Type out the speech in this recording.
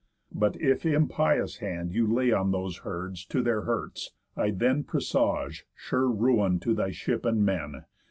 But if impious hand You lay on those herds to their hurts, I then Presage sure ruin to thy ship and men.